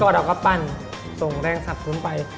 เราก็ปั้นส่งแรงสรรพุ้นไป